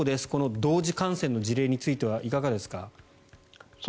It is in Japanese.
同時感染の事例についてはいかがですか。